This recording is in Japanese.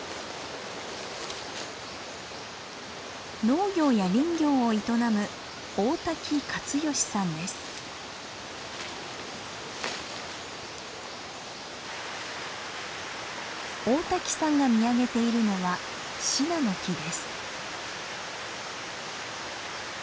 農業や林業を営む大滝さんが見上げているのはシナノキです。